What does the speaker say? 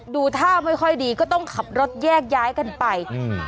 ดูท่าไม่ค่อยดีก็ต้องขับรถแยกย้ายกันไปอืม